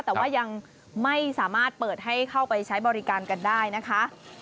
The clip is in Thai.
แต่ว่ายังไม่สามารถเปิดให้เข้าไปใช้บริการกันได้นะคะ